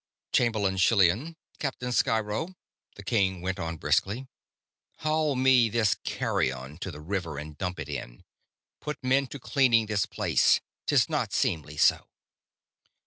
"Chamberlain Schillan Captain Sciro," the king went on briskly. "Haul me this carrion to the river and dump it in put men to cleaning this place 'tis not seemly so."